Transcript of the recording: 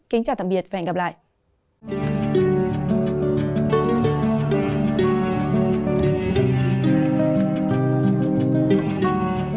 kính chào tạm biệt và hẹn gặp lại